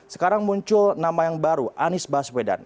sekarang muncul nama yang baru anies baswedan